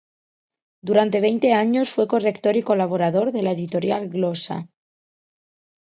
Durante veinte años fue corrector y colaborador de la editorial Glosa.